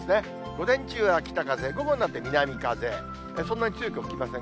午前中は北風、午後になって南風、そんなに強く吹きません。